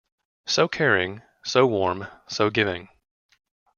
So caring, so warm, so giving.